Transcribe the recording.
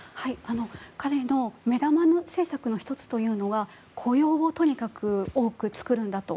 彼の目玉政策の１つが雇用をとにかく多く作るんだと。